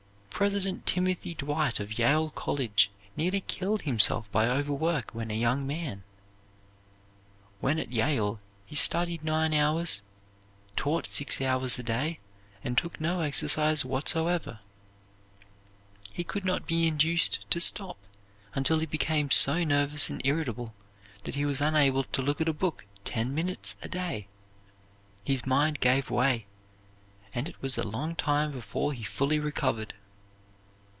President Timothy Dwight of Yale College nearly killed himself by overwork when a young man. When at Yale he studied nine hours, taught six hours a day, and took no exercise whatever. He could not be induced to stop until he became so nervous and irritable that he was unable to look at a book ten minutes a day. His mind gave way, and it was a long time before he fully recovered.